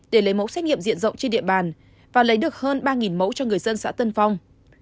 để lấy mẫu xét nghiệm diện rộng trên địa bàn và lấy được hơn ba mẫu cho người dân xã tân phong